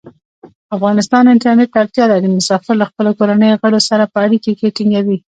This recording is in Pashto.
افغانستان انټرنیټ ته اړتیا لري. مسافر له خپلو کورنیو غړو سره پری اړیکې ټینګوی.